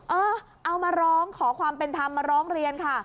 เออเอามาร้องขอความเป็นธรรมมาร้องเรียนค่ะ